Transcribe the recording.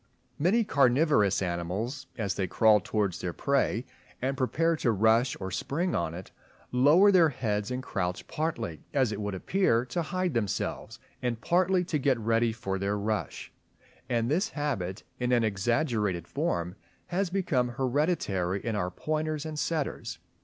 Many carnivorous animals, as they crawl towards their prey and prepare to rush or spring on it, lower their heads and crouch, partly, as it would appear, to hide themselves, and partly to get ready for their rush; and this habit in an exaggerated form has become hereditary in our pointers and setters.